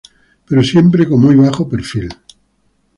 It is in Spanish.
Pero siempre con muy bajo perfil.